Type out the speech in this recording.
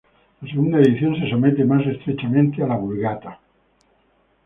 La segunda edición se somete más estrechamente a la Vulgata.